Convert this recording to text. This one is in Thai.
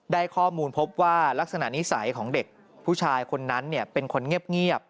ได้ข้อมูลพบว่าลักษณะนิสัยของเด็กผู้ชายคนนั้นเป็นคนเงียบ